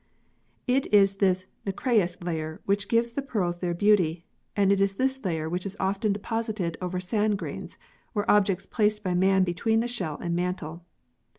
It is this nacreous layer which gives the pearls their beauty, and it is this layer which is often deposited over sand grains, or objects placed by man between the shell and mantle.